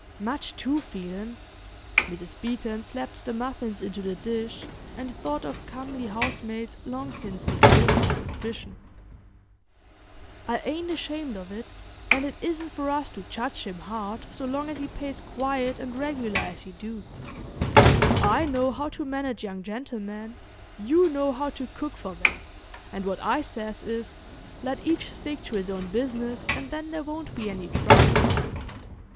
"Much too feelin'!" Mrs. Beeton slapped the muffins into the dish, and thought of comely housemaids long since dismissed on suspicion. "I ain't ashamed of it, and it isn't for us to judge him hard so long as he pays quiet and regular as he do. I know how to manage young gentlemen, you know how to cook for them, and what I says is, let each stick to his own business and then there won't be any trouble.